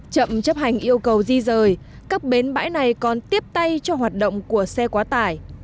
chậm chấp hành yêu cầu di rời các bến bãi này còn tiếp tay cho hoạt động của xe quá tải